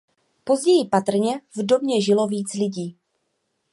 Později patrně v domě žilo víc lidí.